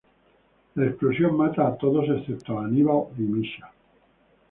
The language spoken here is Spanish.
La explosión mata a todos, excepto Hannibal y Mischa.